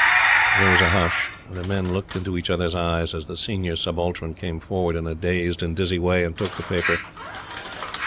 There was a hush, and the men looked into each other's eyes as the Senior Subaltern came forward in a dazed and dizzy way, and took the paper.